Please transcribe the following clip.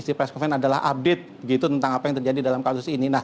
di press conference adalah update tentang apa yang terjadi dalam kasus ini